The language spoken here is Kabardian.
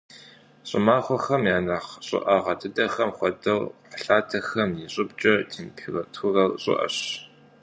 ЩӀымахуэм и нэхъ щӀыӀэгъэ дыдэхэм хуэдэу кхъухьлъатэм и щӀыбкӀэ температурэр щӀыӀэщ.